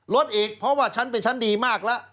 ลดอีกเพราะว่าฉันเป็นชั้นดีมากแล้ว